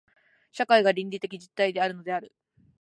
社会が倫理的実体であるのである。